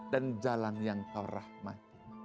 dan jalan yang kau rahmati